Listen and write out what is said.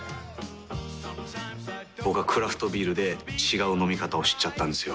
僕はクラフトビールで違う飲み方を知っちゃったんですよ。